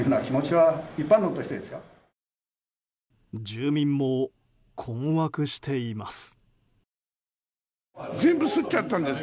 住民も困惑しています。